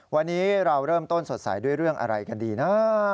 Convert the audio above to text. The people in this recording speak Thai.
วันนี้เราเริ่มต้นสดใสด้วยเรื่องอะไรกันดีนะ